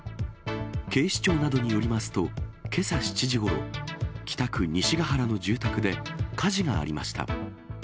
警視庁などによりますと、けさ７時ごろ、北区西ヶ原の住宅で、火事がありました。